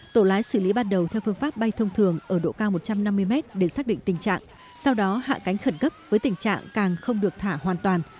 tổ lái xử lý ban đầu theo phương pháp bay thông thường ở độ cao một trăm năm mươi mét để xác định tình trạng sau đó hạ cánh khẩn cấp với tình trạng càng không được thả hoàn toàn